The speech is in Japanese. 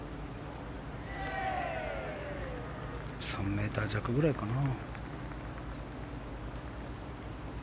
３ｍ弱ぐらいかな。